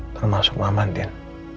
termasuk mama din